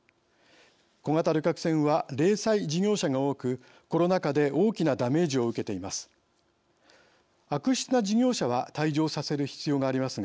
小型旅客船は零細事業者が多くコロナ禍で大きなダメージを受けています。